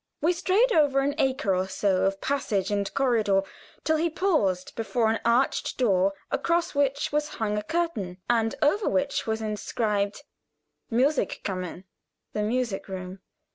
We strayed over an acre or so of passage and corridor till he paused before an arched door across which was hung a curtain, and over which was inscribed Musik kammern (the music rooms).